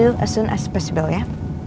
kembali dengan kalian secepat mungkin ya